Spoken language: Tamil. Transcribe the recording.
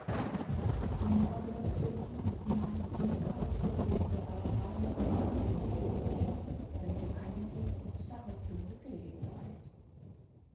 அம்மாவிடம் சொல்லி நான் ஜின்காவிற்குப் பிடித்த பலகாரமெல்லாம் செய்து போடுவேன் என்று கண்ணகி உற்சாகத்தோடு தெரிவித்தாள்.